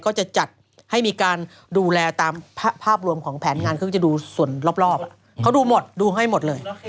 ก็จะจัดให้มีการดูแลตามภาพรวมของแผนงานเขาก็จะดูส่วนรอบเขาดูหมดดูให้หมดเลย